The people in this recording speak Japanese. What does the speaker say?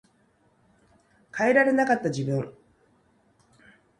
変えられなかった自分